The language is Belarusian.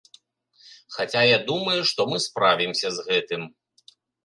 Хаця я думаю, што мы справімся з гэтым.